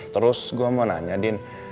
terus gue mau nanya din